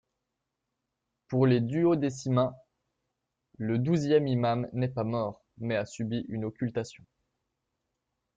Pour les duodécimains, le douzième imam n'est pas mort mais a subi une occultation.